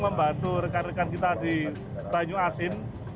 membantu rekan rekan kita di banyu asin